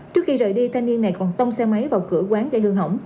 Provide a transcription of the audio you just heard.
trước khi rời đi thanh niên này còn tông xe máy vào cửa quán gây hư hỏng